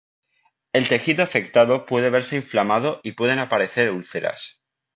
El tejido afectado puede verse inflamado y pueden aparecer úlceras.